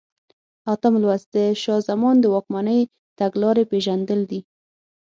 اتم لوست د شاه زمان د واکمنۍ تګلارې پېژندل دي.